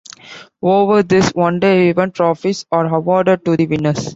Over this one-day event, trophies are awarded to the winners.